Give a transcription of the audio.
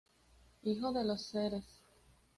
Hijo de los Sres.